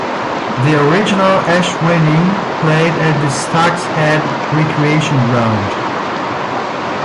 The original Esh Winning played at the Stags Head Recreation Ground.